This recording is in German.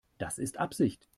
Das ist Absicht.